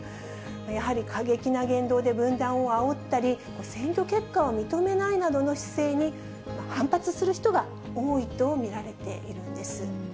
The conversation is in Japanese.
やはり過激な言動で分断をあおったり、選挙結果を認めないなどの姿勢に、反発する人が多いと見られているんです。